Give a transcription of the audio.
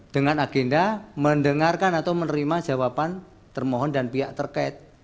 dengan agenda mendengarkan atau menerima jawaban termohon dan pihak terkait